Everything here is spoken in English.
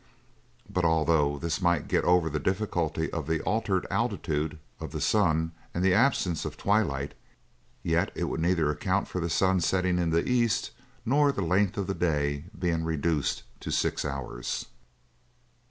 But although this might get over the difficulty of the altered altitude of the sun and the absence of twilight, yet it would neither account for the sun setting in the east, nor for the length of the day being reduced to six hours.